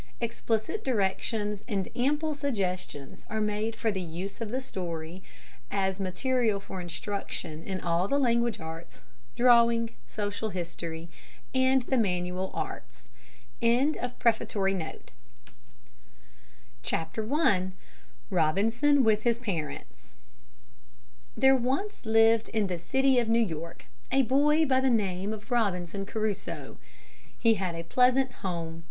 Explicit directions and ample suggestions are made for the use of the story as material for instruction in all the language arts, drawing, social history, and the manual arts. Published by the Educational Publishing Company. AN AMERICAN ROBINSON CRUSOE I ROBINSON WITH HIS PARENTS There once lived in the city of New York, a boy by the name of Robinson Crusoe. He had a pleasant home.